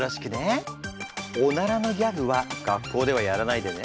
オナラのギャグは学校ではやらないでね。